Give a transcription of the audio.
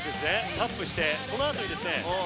タップしてそのあとにですね